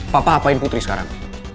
papa apain putri sekarang